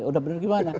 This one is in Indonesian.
udah benar gimana